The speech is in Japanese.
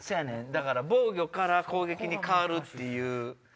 だから防御から攻撃に変わるっていう。